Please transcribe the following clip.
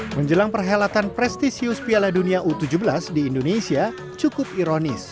menjelang perhelatan prestisius piala dunia u tujuh belas di indonesia cukup ironis